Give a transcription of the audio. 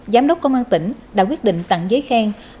giám đốc công an tỉnh đã quyết định tặng giấy khen